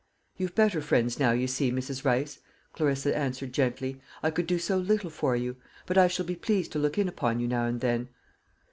"You've better friends now, you see, Mrs. Rice," Clarissa answered gently. "I could do so little for you. But I shall be pleased to look in upon you now and then."